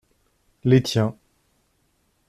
Les tiens.